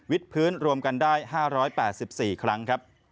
วิทยพื้นรวมกันได้๕๘๔ครั้ง